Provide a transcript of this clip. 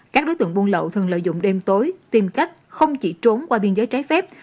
các đối tượng buôn lậu thường lợi dụng đêm tối tìm cách không chỉ trốn qua biên giới trái phép